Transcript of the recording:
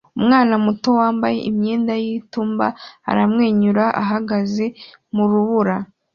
Umwana muto wambaye imyenda y'itumba aramwenyura ahagaze mu rubura